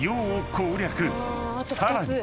［さらに］